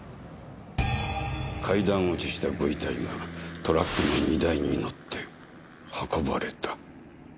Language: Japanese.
階段落ちしたご遺体がトラックの荷台に載って運ばれた。